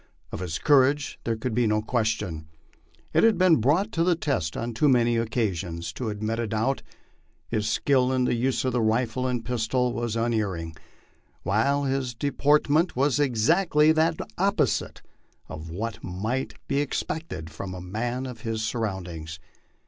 Of his courage there could be x no question; it had been brought to the test on too many occasions to admit of a doubt. His skill in the use of the rifle and pistol was unerring; while his deportment was exactly the opposite of what might be expected from a man of his surroundings.